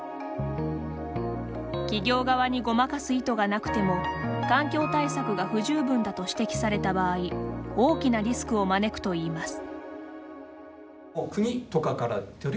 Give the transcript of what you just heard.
企業側にごまかす意図がなくても環境対策が不十分だと指摘された場合大きなリスクを招くと言います。